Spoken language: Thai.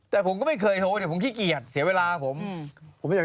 แต่ผมก็ไม่เคยโฮดแต่ผมขี้เกียจเสียเวลาว่าผม